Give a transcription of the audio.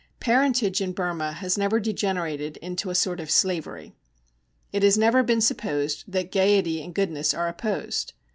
Parentage in Burma has never degenerated into a sort of slavery. It has never been supposed that gaiety and goodness are opposed.